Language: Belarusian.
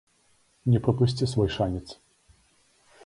Не прапусці свой шанец!